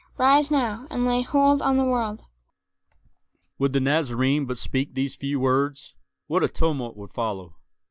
Rise now, and lay hold on the world!" Would the Nazarene but speak these few words, what a tumult would follow!